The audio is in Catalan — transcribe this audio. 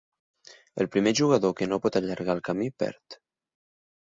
El primer jugador que no pot allargar el camí perd.